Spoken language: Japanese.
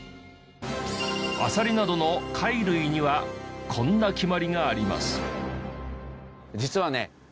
アサリなどの貝類にはこんな決まりがあります。